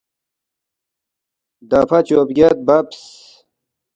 دفعہ چوبگیاد ببس